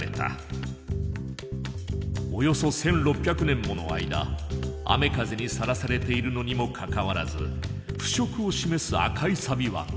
およそ１６００年もの間雨風にさらされているのにもかかわらず腐食を示す赤いサビはない。